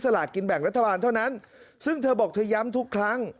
ลากินแบ่งรัฐบาลเท่านั้นซึ่งเธอบอกเธอย้ำทุกครั้ง